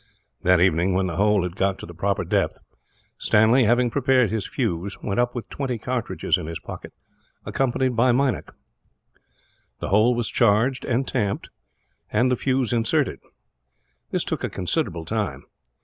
That evening, when the hole had got to the proper depth, Stanley, having prepared his fuse, went up with twenty cartridges in his pocket, accompanied by Meinik. The hole was charged and tamped, and the fuse inserted. This took a considerable time.